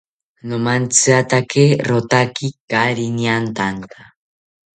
Nomantziatake rotaki kaari niatanta